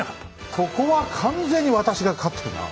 そこは完全に私が勝ってるな。